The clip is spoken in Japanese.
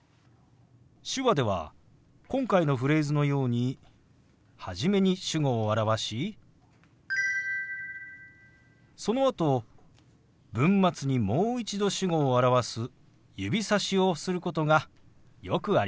手話では今回のフレーズのように初めに主語を表しそのあと文末にもう一度主語を表す指さしをすることがよくあります。